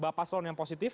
bapak paslon yang positif